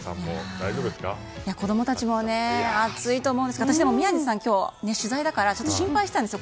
子供たちも暑いと思うんですが宮司さん取材だからちょっと心配してたんですよ。